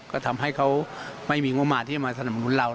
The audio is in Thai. ก็ทำให้เขาไม่มีงบประมาณที่จะมาสนับสนุนเรา